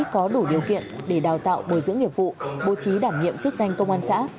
có đủ điều kiện để đào tạo bồi dưỡng nghiệp vụ bố trí đảm nhiệm chức danh công an xã